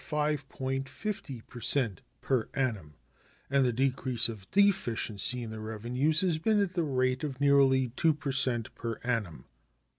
50 per cent per annum, and the decrease of deficiency in the revenues has been at the rate of nearly 2 per cent per annum.